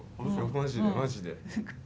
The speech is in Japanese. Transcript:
マジでマジで。